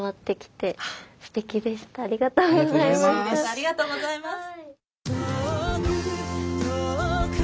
ありがとうございます。